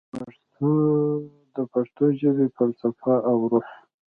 د پښتو ژبې فلسفه او روح